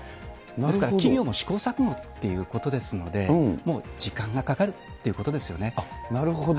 ですから企業も試行錯誤っていうことですので、もう時間がかかるなるほど。